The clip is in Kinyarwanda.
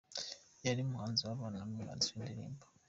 Yari umuhanzi akaba n’ umwanditsi w’indirimbo.